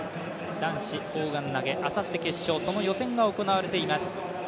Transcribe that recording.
男子砲丸投、あさって、決勝その予選が行われています。